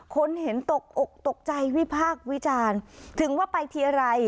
คนเห็นตกอกตกใจวิพากษ์วิจารณ์ถึงว่าไปทีไร